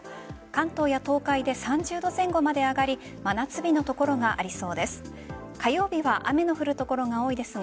関東や東海で３０度前後まで上がり真夏日の所がありそうです。